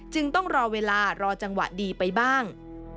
ต้องรอเวลารอจังหวะดีไปบ้าง